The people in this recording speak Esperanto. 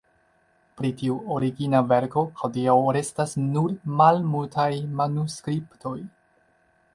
Pri tiu origina verko hodiaŭ restas nur malmultaj manuskriptoj.